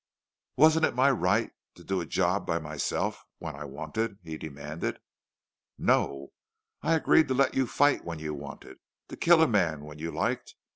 "Wasn't it my right to do a job by myself when I wanted?" he demanded. "No. I agreed to let you fight when you wanted. To kill a man when you liked!...